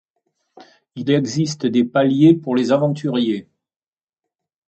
Il existe des paliers pour les aventuriers.